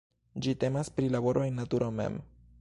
Ĝi temas pri laboro en naturo mem.